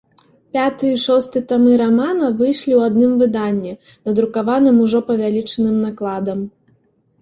Пяты і шосты тамы рамана выйшлі ў адным выданні, надрукаваным ужо павялічаным накладам.